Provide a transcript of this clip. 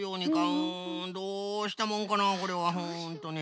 うんどうしたもんかなこれはホントに。